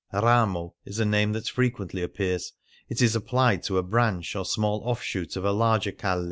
Ramo is a name that frequently appears ; it is applied to a " branch," or small offshoot, of a larger calle.